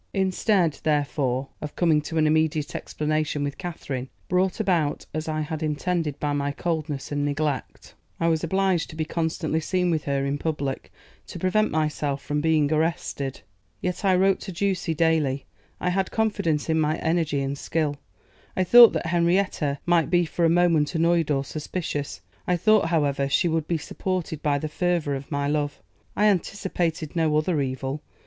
Instead, therefore, of coming to an immediate explanation with Katherine, brought about as I had intended by my coldness and neglect, I was obliged to be constantly seen with her in public, to prevent myself from being arrested. Yet I wrote to Ducie daily. I had confidence in my energy and skill. I thought that Henrietta might be for a moment annoyed or suspicious; I thought, however, she would be supported by the fervour of my love. I anticipated no other evil.